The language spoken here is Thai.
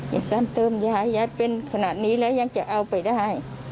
ซ้ำเติมยายยายเป็นขนาดนี้แล้วยังจะเอาไปได้